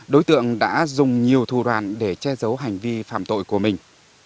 đối tượng đã dùng nhiều thù đoạn để che giấu hành vi phạm tội của mình